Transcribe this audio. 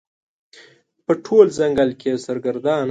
په ټول ځنګل کې یې سرګردانه